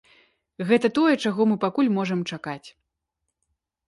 Гэта тое, чаго мы пакуль можам чакаць.